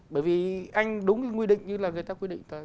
bởi vì anh đúng cái quy định như là người ta quy định